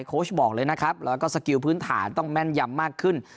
ชบอกเลยนะครับแล้วก็สกิลพื้นฐานต้องแม่นยำมากขึ้น